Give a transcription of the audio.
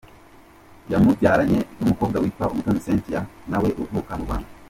Yamubyaranye n’umukobwa witwa Umutoni Cynthia na we uvuka mu Rwanda.